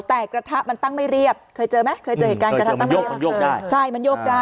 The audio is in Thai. แต่กระทะมันตั้งไม่เรียบเคยเจอไหม